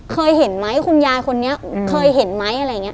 เคยเห็นไหมคุณยายคนนี้เคยเห็นไหมอะไรอย่างนี้